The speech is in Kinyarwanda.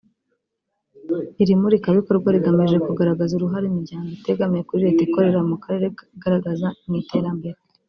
Iri murikabikorwa rigamije kugaragaza uruhare imiryango itegamiye kuri Leta ikorera mu karere igaragaza mu iterambere